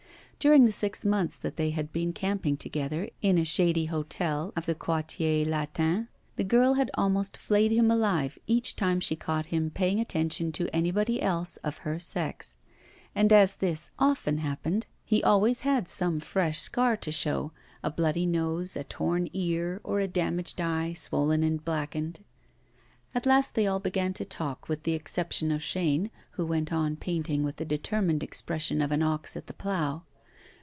During the six months that they had been camping together in a shady hotel of the Quartier Latin, the girl had almost flayed him alive each time she caught him paying attention to anybody else of her sex. And, as this often happened, he always had some fresh scar to show a bloody nose, a torn ear, or a damaged eye, swollen and blackened. At last they all began to talk, with the exception of Chaîne, who went on painting with the determined expression of an ox at the plough.